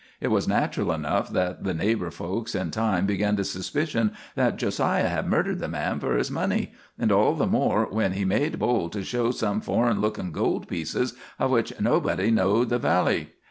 Hit was nat'ral enough that the neighbor folks in time began to suspicion that Jo siah had murdered the man for his money, and all the more when he made bold to show some foreign lookin' gold pieces of which nobody knowed the vally.